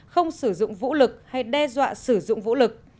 không sử dụng vũ lực hay đe dọa sử dụng vũ lực